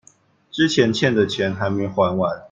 之前欠的錢還沒還完